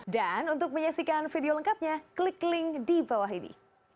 dan untuk menyaksikan video lengkapnya klik link di bawah ini